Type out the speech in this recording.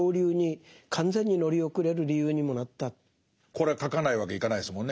これは書かないわけにいかないですもんね。